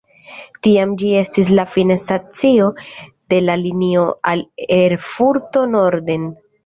Tiam ĝi estis la fina stacio de la linio al Erfurto norden.